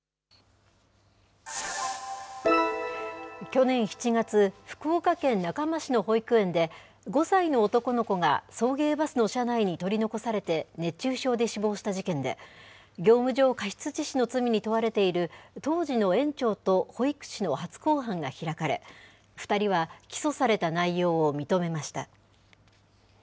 去年７月、福岡県中間市の保育園で、５歳の男の子が送迎バスの車内に取り残されて、熱中症で死亡した事件で、業務上過失致死の罪に問われている、当時の園長と保育士の初公判が開かれ、２人は起訴された内容を認めました。